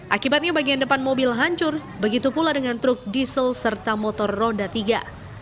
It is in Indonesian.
akibatnya bagian depan mobil hancur begitu pula dengan truk diesel serta motor roda tiga